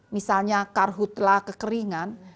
misalnya karhutlah kekeringan